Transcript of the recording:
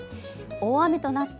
大雨となった、